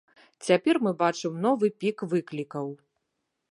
Цяпер мы бачым новы пік выклікаў.